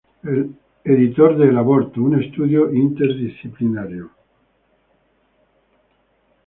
Editor de El aborto: un estudio interdisciplinario.